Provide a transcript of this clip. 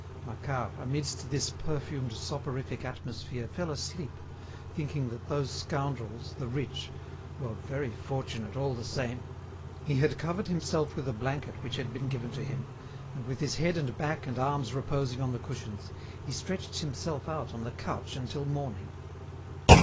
Macquart, amidst this perfumed soporific atmosphere fell asleep, thinking that those scoundrels, the rich, "were very fortunate, all the same." He had covered himself with a blanket which had been given to him, and with his head and back and arms reposing on the cushions, he stretched himself out on the couch until morning.